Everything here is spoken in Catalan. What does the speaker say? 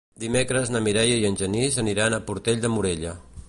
Dimecres na Mireia i en Genís aniran a Portell de Morella.